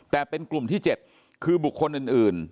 แต่เป็นกลุ่มที่๗คือบุคคลอื่น